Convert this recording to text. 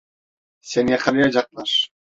Seni yakalayacaklar.